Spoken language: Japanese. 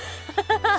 ハハハ